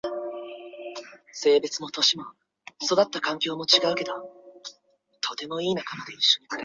任何人物都可以在三种不同剑质中选择其一。